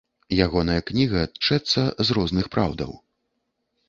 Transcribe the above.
Ягоная кніга тчэцца з розных праўдаў.